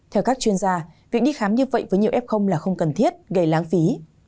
theo các chuyên gia việc đi khám như vậy với nhiều f là không cần thiết gây lãng phí